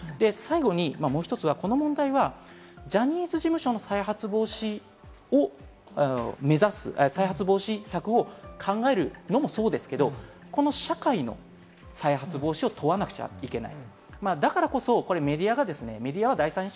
最後にこの問題はジャニーズ事務所の再発防止を目指す再発防止策を考えるのもそうですけど、この社会の再発防止を問わなくちゃいけない。